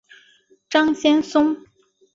张先松。